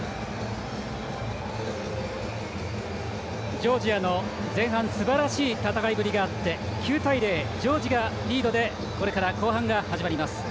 ジョージアの前半すばらしい戦いぶりがあって９対０、ジョージアがリードでこれから後半が始まります。